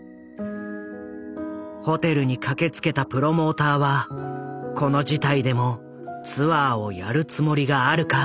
ホテルに駆けつけたプロモーターは「この事態でもツアーをやるつもりがあるか」